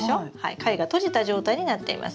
貝が閉じた状態になっています。